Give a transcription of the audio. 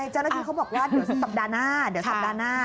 เจ้าหน้าที่เขาบอกว่าเดี๋ยวสัปดาห์หน้า